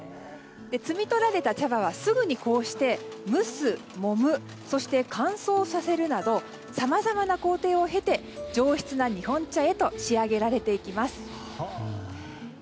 摘み取られた茶葉はすぐに蒸す、もむそして乾燥させるなどさまざまな工程を経て上質な日本茶へと仕上げられていきます。